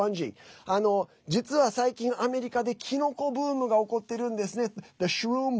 実は最近、アメリカでキノコブームが起こってるんですね。